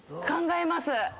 考えます。